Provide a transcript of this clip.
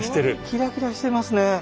キラキラしてますね。